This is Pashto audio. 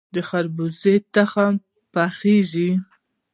د خربوزې تخمونه پخیږي.